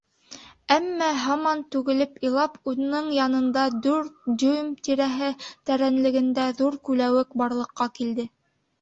Әммә һаман түгелеп илап, уның янында дүрт дюйм тирәһе тәрәнлегендә ҙур күләүек барлыҡҡа килде.